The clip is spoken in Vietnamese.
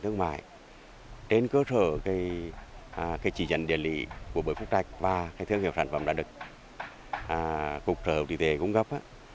thương hiệu sản phẩm đã được cục trợ thủy tế cung cấp